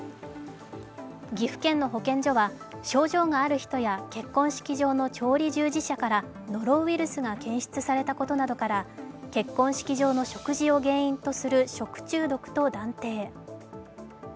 岐阜県の保健所は、症状がある人は結婚式場の調理従事者からノロウイルスが検出されたことなどから結婚式場の食事を原因とする食中毒と断定。